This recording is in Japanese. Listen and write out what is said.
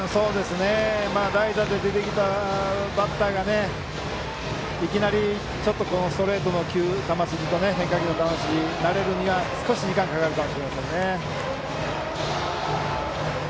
代打で出てきたバッターがいきなりこのストレートの球筋と変化球の球筋に慣れるには時間がかかるかもしれませんね。